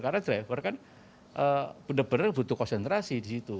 karena driver kan benar benar butuh konsentrasi di situ